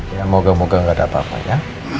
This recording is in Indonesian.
ya moga moga gak ada apa apa ya